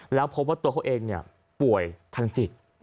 แล้วพบว่าตัวเขาเองป่วยทางจิต